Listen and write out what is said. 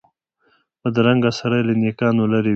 بدرنګه سړی له نېکانو لرې وي